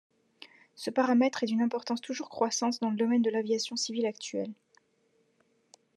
Ce paramètre est d'une importance toujours croissante dans le domaine de l'aviation civile actuelle.